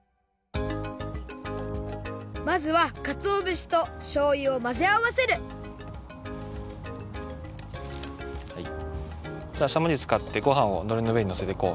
まずはかつおぶしとしょうゆをまぜあわせるしゃもじつかってごはんをのりのうえにのせていこう。